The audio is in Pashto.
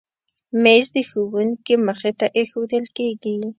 مېز د ښوونکي مخې ته ایښودل کېږي.